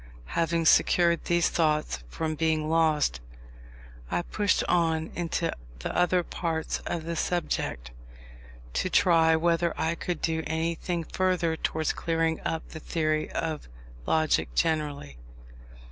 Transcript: Having secured these thoughts from being lost, I pushed on into the other parts of the subject, to try whether I could do anything further towards clearing up the theory of logic generally.